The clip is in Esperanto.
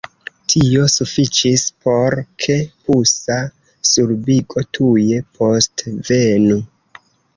Tio sufiĉis, por ke pusa sorbigo tuje postvenu.